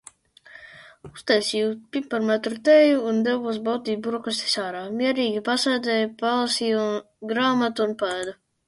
Uztaisīju piparmētru tēju un devos baudīt brokastis ārā. Mierīgi pasēdēju, palasīju grāmatu un paēdu.